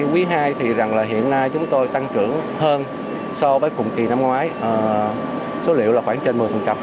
quý hai thì hiện nay chúng tôi tăng trưởng hơn so với cùng kỳ năm ngoái số liệu là khoảng trên một mươi